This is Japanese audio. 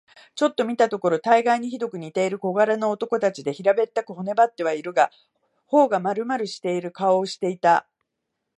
ちょっと見たところ、たがいにひどく似ている小柄な男たちで、平べったく、骨ばってはいるが、頬がまるまるしている顔をしていた。